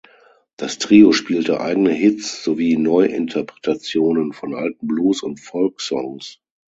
Das Trio spielte eigene Hits sowie Neuinterpretationen von alten Blues- und Folksongs.